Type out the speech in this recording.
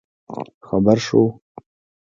خبر ښه وو